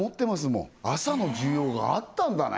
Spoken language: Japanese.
もん朝の需要があったんだね